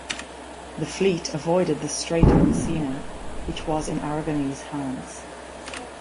The fleet avoided the Strait of Messina, which was in Aragonese hands.